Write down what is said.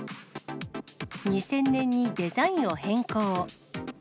２０００年にデザインを変更。